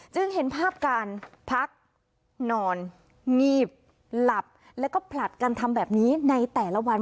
เห็นภาพการพักนอนงีบหลับแล้วก็ผลัดกันทำแบบนี้ในแต่ละวัน